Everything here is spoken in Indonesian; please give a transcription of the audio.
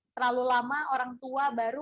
terlalu lama orang tua baru